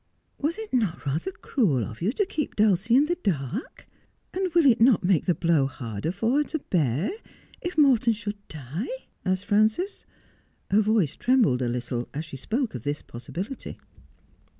' Was it not rather cruel of you to keep Dulcie in the dark 1 And will it not make the blow harder for her to bear, if Morton should die ?' asked Frances. Her voice trembled a little as she spoke of this possibility.